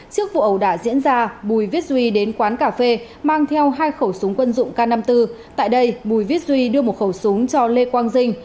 trước vụ ẩu đã diễn ra bùi viết duy đến quán cà phê mang theo hai khẩu súng quân dụng k năm mươi bốn tại đây bùi viết duy đưa một khẩu súng cho lê quang dinh